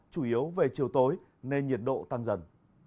chủ yếu về chiều tối nên nhiệt độ tăng dần